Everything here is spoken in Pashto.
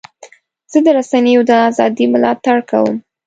زه د رسنیو د ازادۍ ملاتړ کوم.